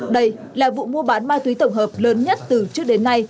đây là vụ mua bán ma túy tổng hợp lớn nhất từ trước đến nay